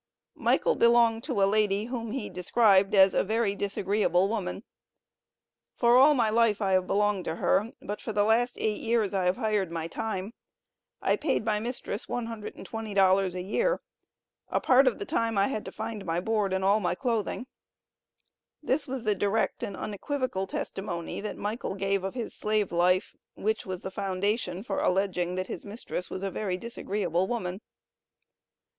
Michael belonged to a lady, whom he described as a "very disagreeable woman." "For all my life I have belonged to her, but for the last eight years I have hired my time. I paid my mistress $120 a year; a part of the time I had to find my board and all my clothing." This was the direct, and unequivocal testimony that Michael gave of his slave life, which was the foundation for alleging that his mistress was a "very disagreeable woman."